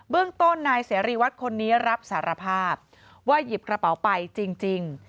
เรื่องต้นนายเสรีวัตรคนนี้รับสารภาพว่าหยิบกระเป๋าไปจริง